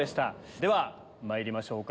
ではまいりましょうか。